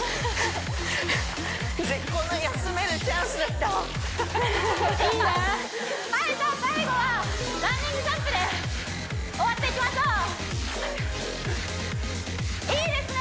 絶好の休めるチャンスだったアハハッいいなはいじゃあ最後はランニングジャンプです終わっていきましょういいですね